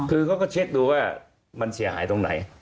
คือเขาก็เช็คดูว่ามันเสียหายตรงไหน